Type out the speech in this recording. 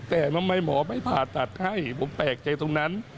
แต่ทำไมหมอไม่ผ่าตัดให้ผมแปลกใจตรงนั้น